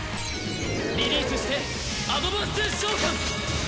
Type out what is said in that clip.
リリースしてアドバンス召喚！